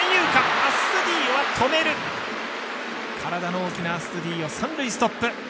体の大きなアストゥディーヨ、三塁ストップ。